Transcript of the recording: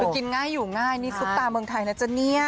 คือกินง่ายอยู่ง่ายนี่ซุปตาเมืองไทยนะจ๊ะเนี่ย